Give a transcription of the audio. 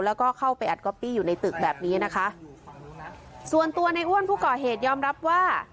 แล้วก็เข้าไปอัดก๊อปปี้อยู่ในตึกแบบนี้นะคะส่วนตัวในอ้วนผู้ก่อเหตุยอมรับว่า